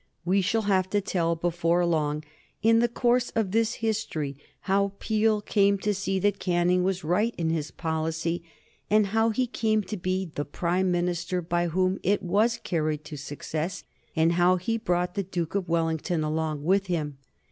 We shall have to tell, before long, in the course of this history, how Peel came to see that Canning was right in his policy, and how he came to be the Prime Minister by whom it was carried to success, and how he brought the Duke of Wellington along with him.